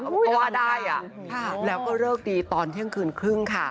เพราะว่าได้แล้วก็เลิกดีตอนเที่ยงคืนครึ่งค่ะ